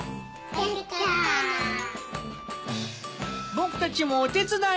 僕たちもお手伝い！